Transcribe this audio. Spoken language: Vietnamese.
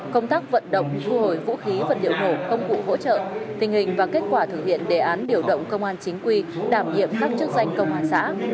công tác vận động thu hồi vũ khí vật liệu nổ công cụ hỗ trợ tình hình và kết quả thực hiện đề án điều động công an chính quy đảm nhiệm các chức danh công an xã